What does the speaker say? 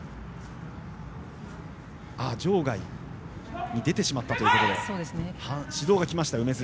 場外に出てしまったということで指導がきました、梅津。